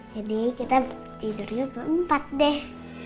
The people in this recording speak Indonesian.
jadi kita tidurnya berempat deh